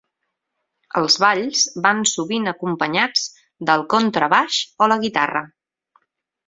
Els balls van sovint acompanyats del contrabaix o la guitarra.